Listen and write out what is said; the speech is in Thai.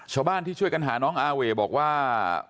ชาวบ้านที่ช่วยกันหาน้องอาเวบอกว่า